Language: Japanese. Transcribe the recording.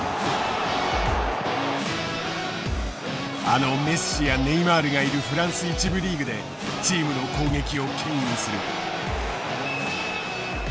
あのメッシやネイマールがいるフランス１部リーグでチームの攻撃をけん引する。